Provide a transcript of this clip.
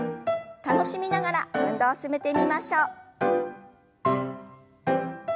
楽しみながら運動を進めてみましょう。